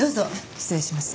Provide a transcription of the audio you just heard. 失礼します。